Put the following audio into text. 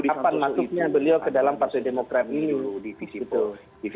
apa maksudnya beliau ke dalam partai demokrat ini